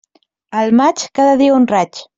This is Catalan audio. Al maig, cada dia un raig.